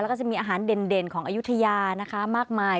แล้วก็จะมีอาหารเด่นของอายุทยานะคะมากมาย